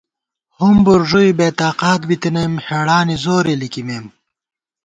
ہُمبر ݫُوئی بے تاقات بِتَنَئیم ، ہېڑانی زورے لِکِمېم